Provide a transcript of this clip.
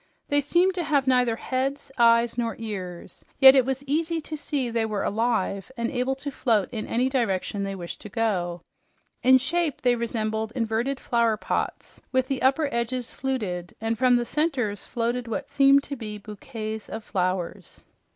They seemed to have neither heads, eyes nor ears, yet it was easy to see they were alive and able to float in any direction they wished to go. In shape they resembled inverted flowerpots, with the upper edges fluted, and from the centers floated what seemed to be bouquets of flowers.